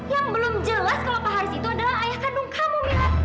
yang belum jelas kalau paharis itu adalah ayah kandung kamu